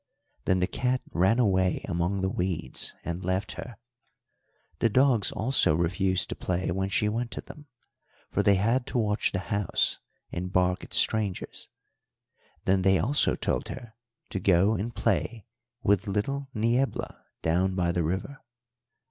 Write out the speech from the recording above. "Then the cat ran away among the weeds and left her. The dogs also refused to play when she went to them; for they had to watch the house and bark at strangers. Then they also told her to go and play with little Niebla down by the river.